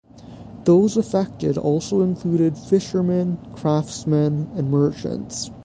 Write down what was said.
Those affected also included fishermen, craftsmen and merchants.